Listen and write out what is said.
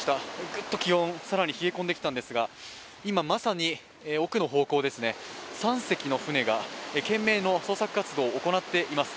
ぐっと気温、更に冷え込んできたんですが今まさに奥の方向ですね、３隻の船が懸命な捜索を行っています。